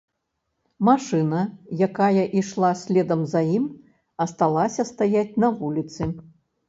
Машына, якая ішла следам за ім, асталася стаяць на вуліцы.